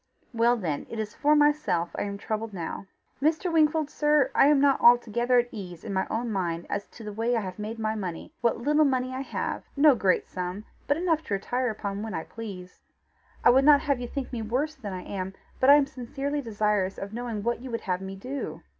Well then it is for myself I am troubled now. Mr. Wingfold, sir, I am not altogether at ease in my own mind as to the way I have made my money what little money I have no great sum, but enough to retire upon when I please. I would not have you think me worse than I am, but I am sincerely desirous of knowing what you would have me do."